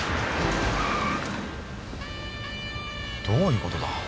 どういうことだ？